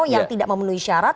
yang tidak memenuhi syarat